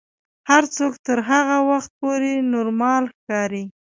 هر څوک تر هغه وخته پورې نورمال ښکاري.